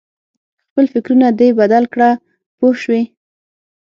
خپل فکرونه دې بدل کړه پوه شوې!.